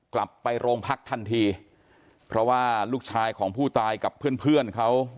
กลับไปโรงพักทันทีเพราะว่าลูกชายของผู้ตายกับเพื่อนเพื่อนเขา